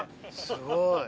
すごい。